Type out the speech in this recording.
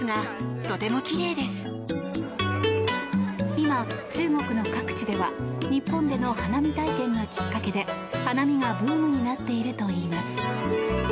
今、中国の各地では日本での花見体験がきっかけで花見がブームになっているといいます。